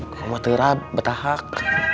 kau kagak keteran betahak